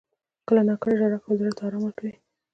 • کله ناکله ژړا کول زړه ته آرام ورکوي.